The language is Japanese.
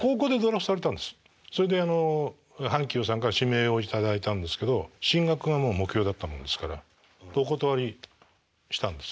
それで阪急さんから指名を頂いたんですけど進学がもう目標だったもんですからお断りしたんです。